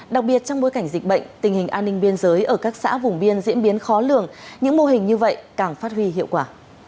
đặc biệt trong bối cảnh dịch bệnh tình hình an ninh biên giới ở các xã vùng biên diễn biến khó lường những mô hình như vậy càng phát huy hiệu quả